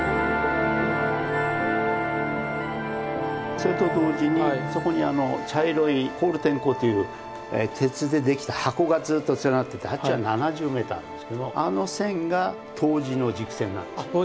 それと同時にそこにあの茶色いコールテン鋼という鉄で出来た箱がずっと連なっててあっちは７０メーターあるんですけどもあの線が冬至の軸線なんですよね。